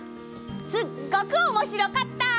すっごくおもしろかった！